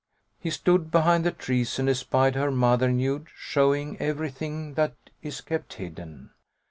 He stood behind the trees and espied her mother nude, showing everything that is kept hidden.